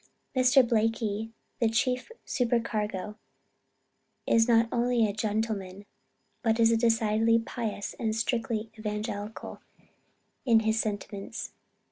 Mr. Blaikie, the chief supercargo, is not only a gentleman, but is decidedly pious, and strictly evangelical in his sentiments....